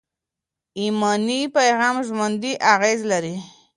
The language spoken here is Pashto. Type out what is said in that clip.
ایماني پیغام ژوندي اغېز لري.